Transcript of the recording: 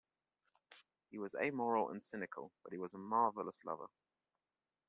He was amoral and cynical, but he was a marvellous lover.